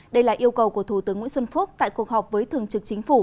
đây là yêu cầu của thủ tướng nguyễn xuân phúc tại cuộc họp với thường trực chính phủ